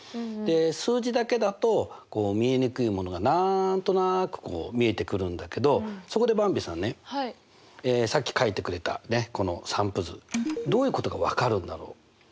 数字だけだと見えにくいものが何となく見えてくるんだけどそこでばんびさんねさっき書いてくれたこの散布図どういうことが分かるんだろう？